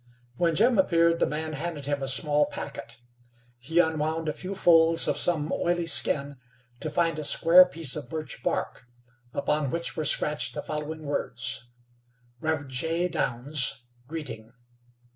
When Jim appeared the man handed him a small packet. He unwound a few folds of some oily skin to find a square piece of birch bark, upon which were scratched the following words: "Rev. J. Downs. Greeting.